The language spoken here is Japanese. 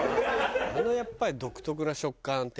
あのやっぱり独特な食感ってね。